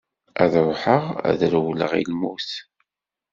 Ad ruḥeγ ad rewleγ i lmut.